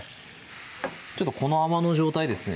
ちょっとこの泡の状態ですね